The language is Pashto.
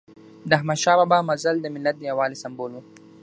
د احمد شاه بابا مزل د ملت د یووالي سمبول و.